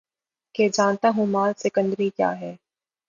کہ جانتا ہوں مآل سکندری کیا ہے